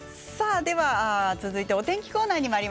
続いてお天気コーナーです。